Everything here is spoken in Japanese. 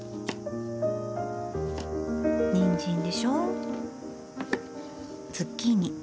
にんじんでしょズッキーニ。